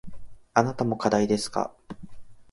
あなたも課題ですか。